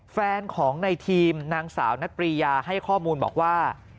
แฟนของในทีมนางสาวนัดปรียาให้ข้อมูลบอกว่า